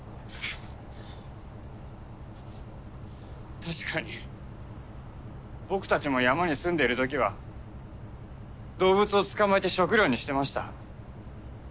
確かに僕たちも山に住んでいる時は動物を捕まえて食糧にしてました。